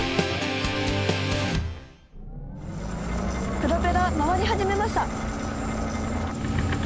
プロペラ回り始めました！